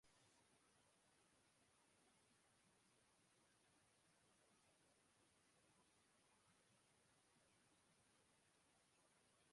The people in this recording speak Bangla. শায়েস্তা খানের আমলে ছোট কাটরা নির্মিত হয়েছিল সরাইখানা বা প্রশাসনিক কাজে ব্যবহারের জন্য।